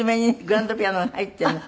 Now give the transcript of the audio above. グランドピアノが入ってるの。